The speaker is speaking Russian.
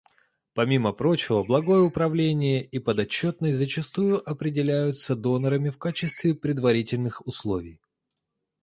Помимо прочего, благое управление и подотчетность зачастую определяются донорами в качестве предварительных условий.